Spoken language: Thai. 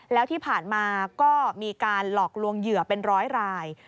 แล้วที่ผ่านมาก็มีการหลอกลวงเหยื่อเป็นร้อยราย